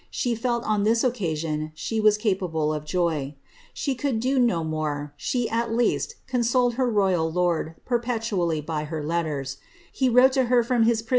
!*hc felt on this ot'cas^ion she was capable of joy. If fche cuuld do no more, slit* ai least i'ons<>led her royal lord perpetually by her l"tter^. He wrote to her from his pri.